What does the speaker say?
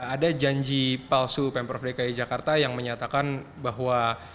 ada janji palsu pemprov dki jakarta yang menyatakan bahwa